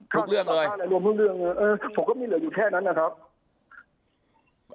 ทุกเรื่องเลยเออผมก็มีเหลืออยู่แค่นั้นนะครับ